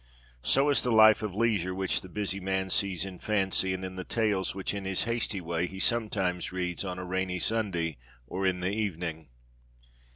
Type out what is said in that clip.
So is the life of leisure which the busy man sees in fancy and in the tales which in his hasty way he sometimes reads on a rainy Sunday or in the evening.